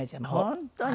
本当に？